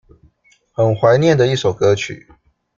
很懷念的一首歌曲